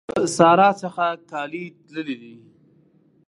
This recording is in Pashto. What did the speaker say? له سارا څخه کالي تللي دي.